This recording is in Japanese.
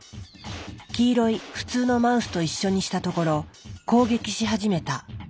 黄色い普通のマウスと一緒にしたところ攻撃し始めた。